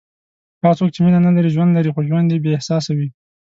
هغه څوک چې مینه نه لري، ژوند لري خو ژوند یې بېاحساسه وي.